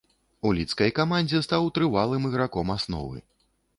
У лідскай камандзе стаў трывалым іграком асновы.